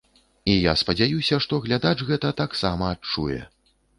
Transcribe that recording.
І я спадзяюся, што глядач гэта таксама адчуе.